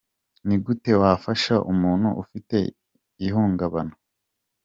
Ni gute wafasha umuntu ufite ihungabana ?.